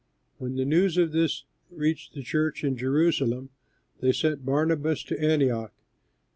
When the news of this reached the church in Jerusalem, they sent Barnabas to Antioch.